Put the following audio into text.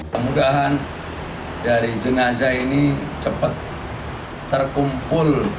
kemudahan dari jenazah ini cepat terkumpul